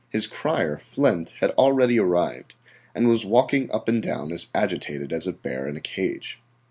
His crier, Flint, had already arrived, and was walking up and down as agitated as a bear in a cage.